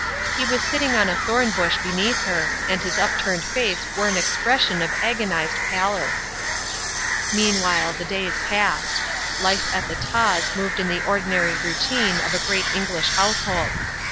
He was sitting on a thorn bush beneath her, and his upturned face wore an expression of agonised pallor. Meanwhile the days passed. Life at the Taws moved in the ordinary routine of a great English household.